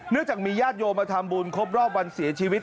จากมีญาติโยมมาทำบุญครบรอบวันเสียชีวิต